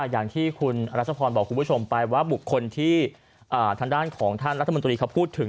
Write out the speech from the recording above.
อย่างที่คุณรัชพรบอกคุณผู้ชมไปว่าบุคคลที่ทางด้านของท่านรัฐมนตรีเขาพูดถึง